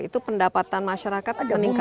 itu pendapatan masyarakat meningkat